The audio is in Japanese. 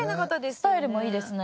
スタイルもいいですね。